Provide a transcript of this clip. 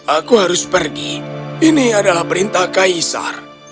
aku harus pergi ini adalah perintah kaisar